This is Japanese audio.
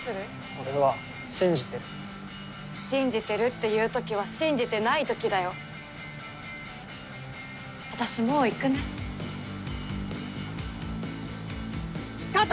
俺は信じてる「信じてる」って言うときは信じてな私もう行くねカット！